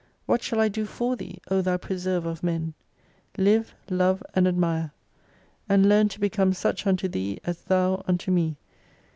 What shall I do for Thee, O Thou preserver of Men ? Live, Love, and Admire ; and learn to bccom«i such unto Thee as Thou unto me.